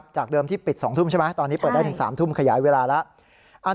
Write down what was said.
จากเดิมที่ปิด๒ทุ่มใช่ไหมตอนนี้เปิดได้ถึง๓ทุ่มขยายเวลาแล้ว